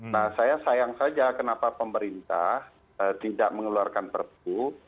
nah saya sayang saja kenapa pemerintah tidak mengeluarkan perpu